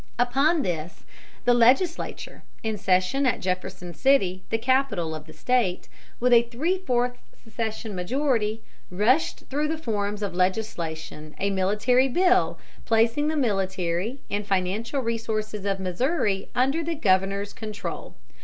Upon this, the legislature, in session at Jefferson City, the capital of the State, with a three fourths secession majority, rushed through the forms of legislation a military bill placing the military and financial resources of Missouri under the governor's control.